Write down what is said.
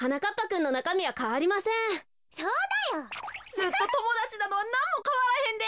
ずっとともだちなのはなんもかわらへんで。